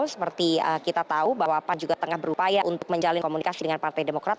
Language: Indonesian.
seperti kita tahu bahwa pan juga tengah berupaya untuk menjalin komunikasi dengan partai demokrat